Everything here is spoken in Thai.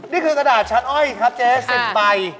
นี่คือกระดาษฉานอ้อยครับเจ๊ศิลป์ไบ